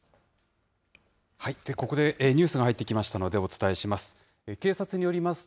ここでニュースが入ってきましたので、お伝えします。